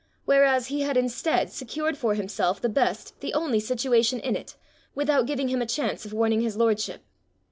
whereas he had instead secured for himself the best, the only situation in it, without giving him a chance of warning his lordship!